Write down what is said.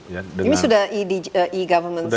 ini sudah e government